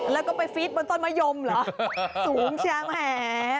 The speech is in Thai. แล้วก็ไปฟีดบนต้นมะยมเหรอสูงเชียงแหม